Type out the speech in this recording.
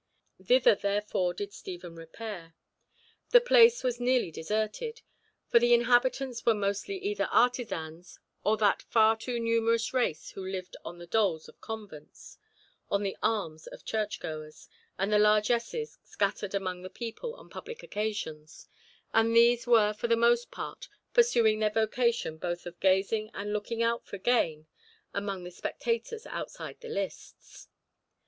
Thither therefore did Stephen repair. The place was nearly deserted, for the inhabitants were mostly either artisans or that far too numerous race who lived on the doles of convents, on the alms of churchgoers, and the largesses scattered among the people on public occasions, and these were for the most part pursuing their vocation both of gazing and looking out for gain among the spectators outside the lists.